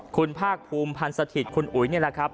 คุณภาคภูมิพันธ์สถิตย์คุณอุ๋ยนี่แหละครับ